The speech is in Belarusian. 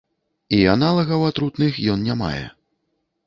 І аналагаў атрутных ён не мае.